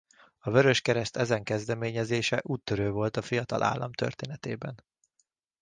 A Vöröskereszt ezen kezdeményezése úttörő volt a fiatal állam történetében.